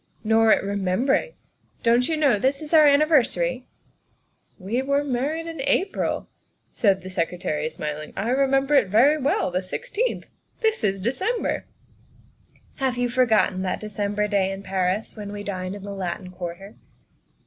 " Nor at remembering. Don't you know this is our anniversary ?''" We were married in April," said the Secretary, smiling. " I remember it very well. The sixteenth. This is December! ''" Have you forgotten that December day in Paris when we dined in the Latin Quarter?"